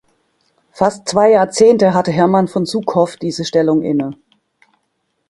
Fast zwei Jahrzehnte hatte Hermann von Suckow diese Stellung inne.